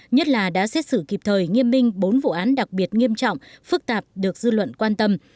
nhất là đã xét xử kịp thời nghiêm minh bốn vụ án đặc biệt nghiêm trọng phức tạp được dư luận quan tâm